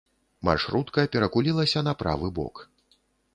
Маршрутка перакулілася на правы бок.